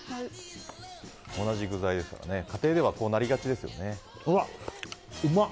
同じ具材では家庭ではこうなりがちですよね。